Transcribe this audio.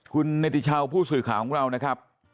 คุณเนติชาวผู้สื่อข่าวของเรานะครับ